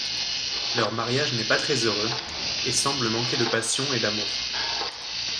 Leur mariage n'est pas très heureux et semble manquer de passion et d'amour.